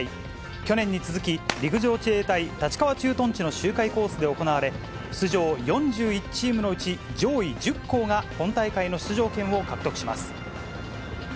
去年に続き、陸上自衛隊立川駐屯地の周回コースで行われ、出場４１チームのうち上位１０校が本大会の出場権を獲得します。